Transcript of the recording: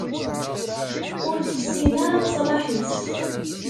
Ur tessin ara leṣlaḥ-is.